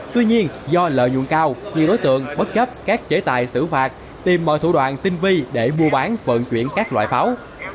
tuy nhiên do lợi nhuận cao nhiều đối tượng bất chấp các chế tài xử phạt tìm mọi thủ đoạn tinh vi để mua bán vận chuyển các loại pháo